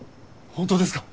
本当ですか？